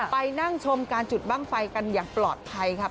ไปนั่งชมการจุดบ้างไฟกันอย่างปลอดภัยครับ